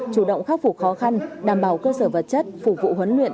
chủ động khắc phục khó khăn đảm bảo cơ sở vật chất phục vụ huấn luyện